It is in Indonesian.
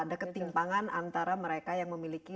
ada ketimpangan antara mereka yang memiliki